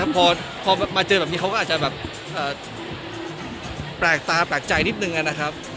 พอมาเจอแบบนี้เขาก็อาจจะแบบแปลกตาแปลกใจนิดนึงนะครับ